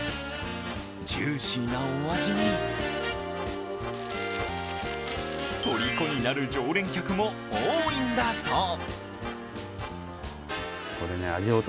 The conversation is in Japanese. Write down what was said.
ジューシーなお味に、とりこになる常連客も多いんだそう。